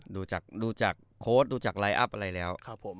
ดูจากโค้ชดูจากไลน์อัพอะไรแล้ว